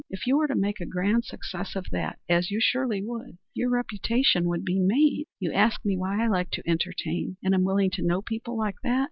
If you were to make a grand success of that, as you surely would, your reputation would be made. You ask me why I like to entertain and am willing to know people like that.